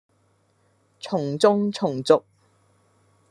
從眾從俗